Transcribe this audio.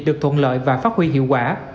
được thuận lợi và phát huy hiệu quả